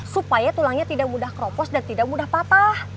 supaya tulangnya tidak mudah keropos dan tidak mudah patah